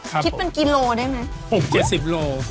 คุณคิดเป็นกิโลได้ไหม